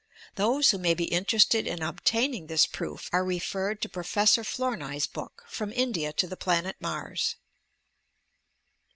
Those who may be interested in obtaining this proof are referred to Professor Floumoy'a book "From India to the Planet Mars."